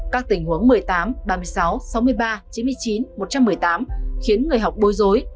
các tình huống một mươi tám ba mươi sáu sáu mươi ba chín mươi chín một trăm một mươi tám khiến người học bối rối